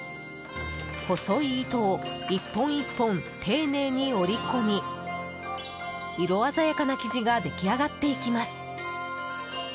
細い糸を１本１本丁寧に織り込み色鮮やかな生地が出来上がっていきます。